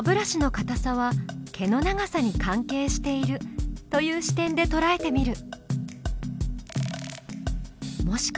今度は「毛の太さ」に関係しているという視点でとらえてみる。